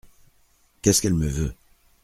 Qu’est-ce qu’elle me veut ?